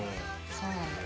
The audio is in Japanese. そうなんだ。